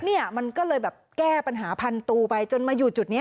เนี่ยมันก็เลยแบบแก้ปัญหาพันตูไปจนมาอยู่จุดนี้